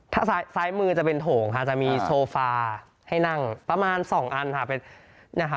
ถ้าซ้ายมือจะเป็นโถงค่ะจะมีโซฟาให้นั่งประมาณสองอันค่ะ